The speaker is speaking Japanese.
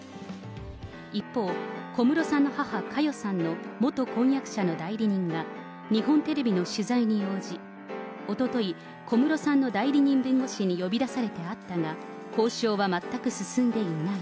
一方、小室さんの母、佳代さんの元婚約者の代理人が日本テレビの取材に応じ、おととい、小室さんの代理人弁護士に呼び出されて会ったが、交渉は全く進んでいない。